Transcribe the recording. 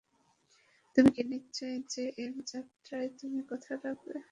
তুমি কি নিশ্চিত যে এ যাত্রায় তুমি কথা রাখবে?